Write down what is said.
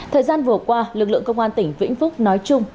thời gian vừa qua lực lượng công an tỉnh vĩnh phúc nói chung